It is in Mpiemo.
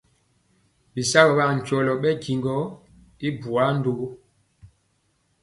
Bisagɔ ankyɔlɔ ɓɛ njiŋ gɔ i bwaa ndugu.